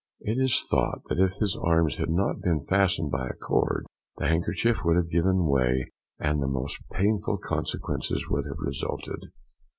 It is thought, that if his arms had not been fastened by a cord, the handkerchief would have given way, and the most painful consequences would have resulted.